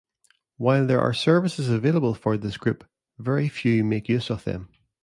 While there are services available for this group, very few make use of them.